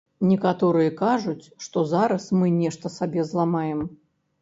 Некаторыя кажуць, што зараз мы нешта сабе зламаем.